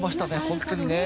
本当にね。